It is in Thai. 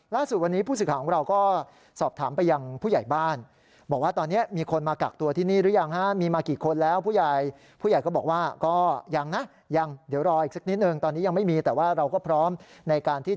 ล่าสุดวันนี้ผู้ศึกษาของเราก็สอบถามไปยังผู้ใหญ่บ้าน